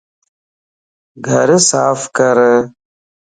گھر صاف ڪر